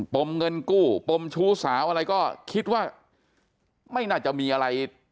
มเงินกู้ปมชู้สาวอะไรก็คิดว่าไม่น่าจะมีอะไร